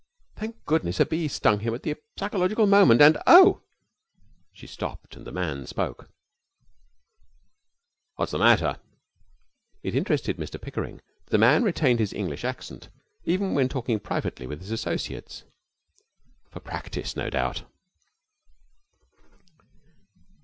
'Thank goodness, a bee stung him at the psychological moment, and oh!' She stopped, and The Man spoke: 'What's the matter?' It interested Mr Pickering that The Man retained his English accent even when talking privately with his associates. For practice, no doubt.